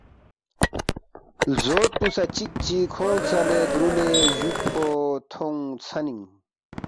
لزوت پو سہ چکچی کھونگ ژا دُرولے جوکفو تھونگ ژھنینگ